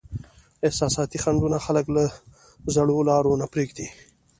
احساساتي خنډونه خلک له زړو لارو نه پرېږدي.